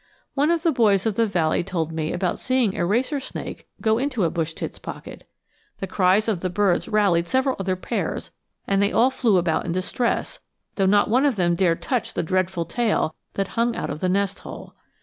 One of the boys of the valley told me about seeing a racer snake go into a bush tit's pocket. The cries of the birds rallied several other pairs, and they all flew about in distress, though not one of them dared touch the dreadful tail that hung out of the nest hole.